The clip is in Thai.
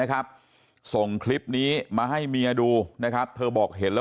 พวกมันกลับมาเมื่อเวลาที่สุดพวกมันกลับมาเมื่อเวลาที่สุด